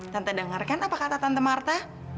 tante denger kan apa kata tante marta